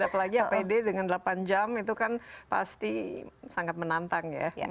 apalagi apd dengan delapan jam itu kan pasti sangat menantang ya